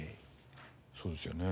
そうですよね。